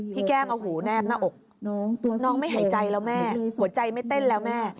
แก้มเอาหูแนบหน้าอกน้องไม่หายใจแล้วแม่หัวใจไม่เต้นแล้วแม่